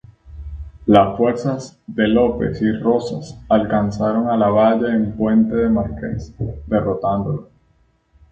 Las fuerzas de López y Rosas alcanzaron a Lavalle en puente de Márquez, derrotándolo.